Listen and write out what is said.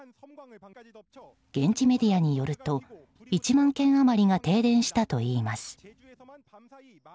現地メディアによると１万軒余りが停電したといいます。